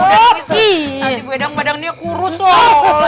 nanti ibu endang badannya kurus loh